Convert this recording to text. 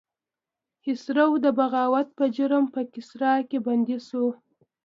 خسرو د بغاوت په جرم په قصر کې بندي شو.